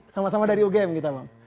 sama sama dari ugm gitu loh